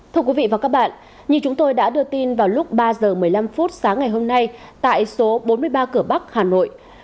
thưa quý vị và các bạn như chúng tôi đã đưa tin vào lúc ba h một mươi năm phút sáng ngày hôm nay tại số bốn mươi ba cửa bắc hà nội